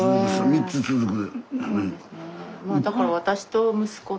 ３つ続く。